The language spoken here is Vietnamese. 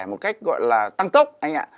một cách gọi là tăng tốc anh ạ